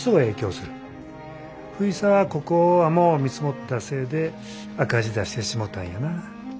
藤沢はここを甘う見積もったせえで赤字出してしもたんやな。